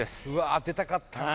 当てたかったなぁ！